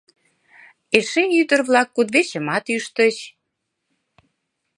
— Эше ӱдыр-влак кудывечымат ӱштыч...